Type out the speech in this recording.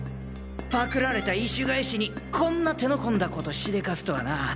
パクられた意趣返しにこんな手の込んだことしでかすとはな。